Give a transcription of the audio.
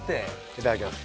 いただきます。